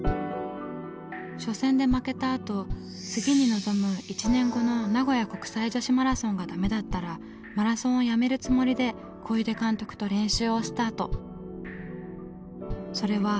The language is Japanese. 初戦で負けたあと次に臨む１年後の名古屋国際女子マラソンがダメだったらマラソンをやめるつもりで小出監督と練習をスタート。